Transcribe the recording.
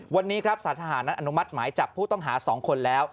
วันนี้ครับสารทหารนั้นอนุมัติหมายจับผู้ต้องหา๒คนแล้ว